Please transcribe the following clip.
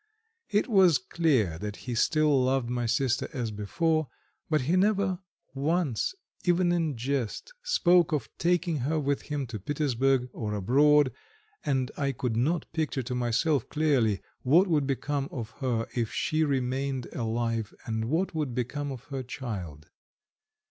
It was clear that he still loved my sister as before, but he never once even in jest spoke of taking her with him to Petersburg or abroad, and I could not picture to myself clearly what would become of her if she remained alive and what would become of her child.